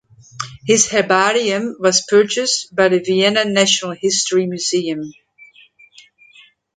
His herbarium was purchased by the Vienna National History Museum.